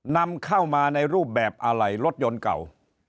นำเข้ามาในรูปแบบอะไรรถยนต์เก่า